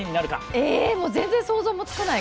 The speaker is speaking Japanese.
え全然想像もつかない！